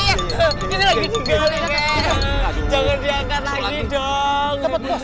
jangan diangkat lagi dong